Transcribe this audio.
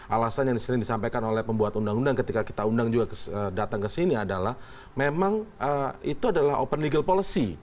alasan yang sering disampaikan oleh pembuat undang undang ketika kita undang juga datang ke sini adalah memang itu adalah open legal policy